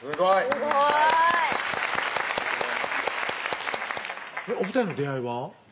すごいお２人の出会いは？